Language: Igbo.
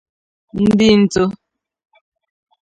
ndị ntọ